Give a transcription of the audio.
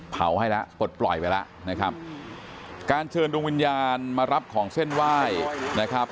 เผาให้แล้วปลดปล่อยไปแล้วนะครับการเชิญดวงวิญญาณมารับของเส้นไหว้นะครับ